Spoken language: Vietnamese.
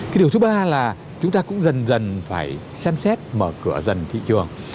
cái điều thứ ba là chúng ta cũng dần dần phải xem xét mở cửa dần thị trường